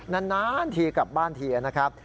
นานทีกลับบ้านทีนะครับ